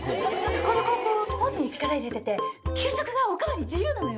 この高校、スポーツに力入れてて、給食がお代わり自由なのよ。